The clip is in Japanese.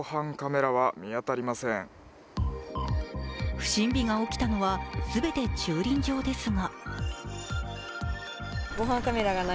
不審火が起きたのは全て駐輪場ですが。